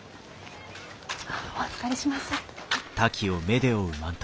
お預かりします。